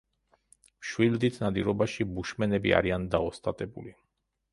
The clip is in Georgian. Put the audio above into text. მშვილდით ნადირობაში ბუშმენები არიან დაოსტატებული.